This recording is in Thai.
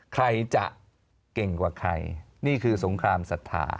ใครจะเก่งกว่าใครนี่คือสงครามศรัทธา